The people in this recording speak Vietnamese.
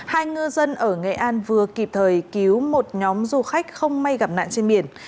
hai ngư dân ở nghệ an vừa kịp thời cứu một nhóm du khách không may gặp nạn trên biển